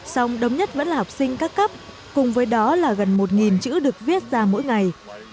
song đông nhất vẫn là học sinh các cấp cùng với đó là gần một chữ được viết ra mỗi ngày